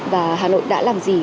và hà nội đã làm gì